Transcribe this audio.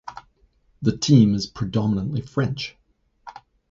The team is predominantly French.